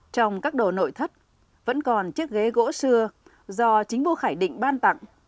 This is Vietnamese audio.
trong các đồ nội thất vẫn còn chiếc ghế gỗ xưa do chính phủ khải định ban tặng